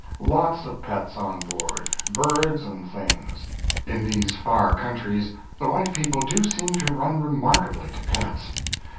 Lots of pets on board birds and things. In these far countries the white people do seem to run remarkably to pets.